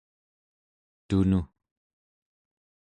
tunu